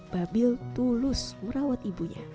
babil tulus merawat ibunya